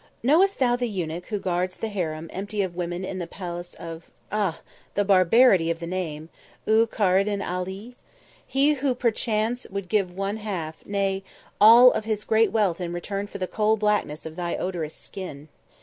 "Know'st thou the eunuch who guards the harem empty of women in the palace of ah! the barbarity of the name! E'u Car r den Ali? He who perchance would give one half, nay, all of his great wealth in return for the coal blackness of thy odorous skin.